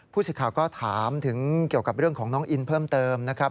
สิทธิ์ก็ถามถึงเกี่ยวกับเรื่องของน้องอินเพิ่มเติมนะครับ